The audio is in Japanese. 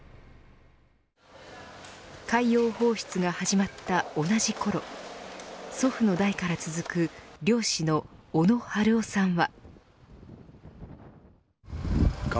海洋放出が始まった同じころ祖父の代から続く漁師の小野春雄さんは。